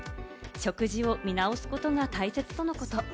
食事を見直すことが大切とのこと。